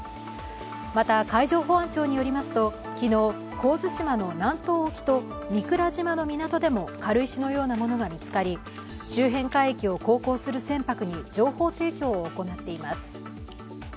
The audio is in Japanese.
また海上保安庁によりますと昨日、神津島の南東沖と御蔵島の港でも軽石のようなものが見つかり、周辺海域を航行する船舶に情報提供を行っています。